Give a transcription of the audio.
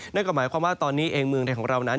นั่นก็หมายความว่าตอนนี้เองเมืองไทยของเรานั้น